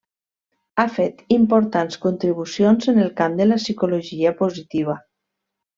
Ha fet importants contribucions en el camp de la Psicologia positiva.